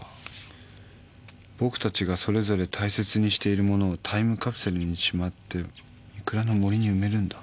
「僕たちがそれぞれ大切にしている物をタイムカプセルにしまって御倉の森にうめるんだ」